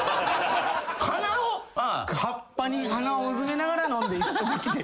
葉っぱに鼻をうずめながら飲んでいただきたい。